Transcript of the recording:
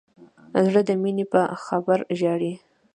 زړه د مینې په خبر ژاړي.